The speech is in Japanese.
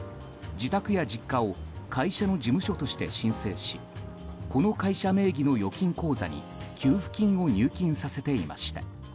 自宅や実家を会社の事務所として申請しこの会社名義の預金口座に給付金を入金させていました。